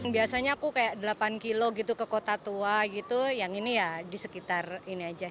biasanya aku kayak delapan kilo gitu ke kota tua gitu yang ini ya di sekitar ini aja